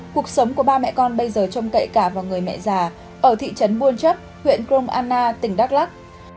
cuộc sống của ba mẹ con bây giờ trông cậy cả vào người mẹ già ở thị trấn buôn chấp huyện krong anna tỉnh đắk lắc